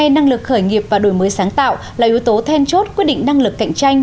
năng lực khởi nghiệp và đổi mới sáng tạo là yếu tố then chốt quyết định năng lực cạnh tranh